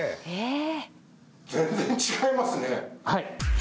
全然違いますねはい！